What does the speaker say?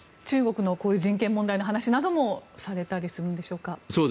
中国の人権問題の話などもされたりするんでしょうか？